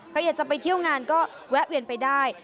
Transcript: ใครอยากจะไปเที่ยวงานก็แวะเวียนไปได้